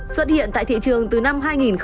xuất hiện tại thị trường từ năm hai nghìn một mươi